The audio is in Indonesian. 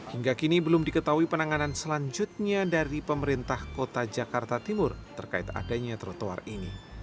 hingga kini belum diketahui penanganan selanjutnya dari pemerintah kota jakarta timur terkait adanya trotoar ini